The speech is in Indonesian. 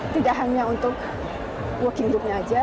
tidak hanya untuk working group nya saja